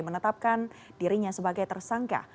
menetapkan dirinya sebagai tersangka